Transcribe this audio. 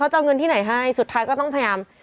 จะเอาเงินที่ไหนให้สุดท้ายก็ต้องพยายาม